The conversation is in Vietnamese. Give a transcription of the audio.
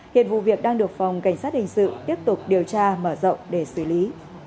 hiện vụ việc đang được phòng cảnh sát hình sự tiếp tục điều tra mở rộng để xử lý